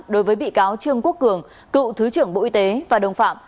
đối với bị cáo trương quốc cường cựu thứ trưởng bộ y tế và đồng phạm